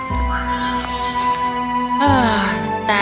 anak domba merasa lega karena selamat